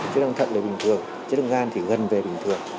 chức năng thận về bình thường chức năng gan thì gần về bình thường